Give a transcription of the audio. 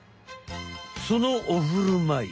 そのおふるまい